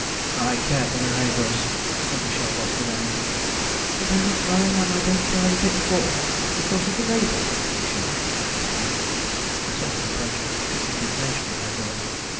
'I care for the neighbours,' said Michel Voss with energy. 'And must I marry a man I don't care a bit for, because of the neighbours, Uncle Michel?' asked Marie, with something approaching to indignation in her voice.